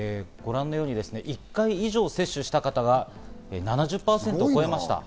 １回以上接種した方が７０％を超えました。